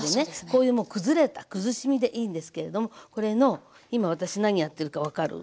こういうもう崩れたくずし身でいいんですけれどもこれの今私何やってるか分かる？